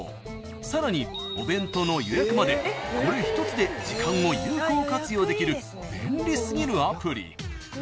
［さらにお弁当の予約までこれ一つで時間を有効活用できる便利過ぎるアプリ］